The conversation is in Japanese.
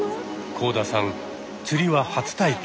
幸田さん釣りは初体験。